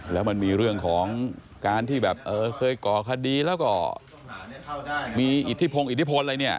แล้วมันมีเรื่องของการที่แบบเออเคยก่อคดีแล้วก็มีอิทธิพงศ์อิทธิพลอะไรเนี่ย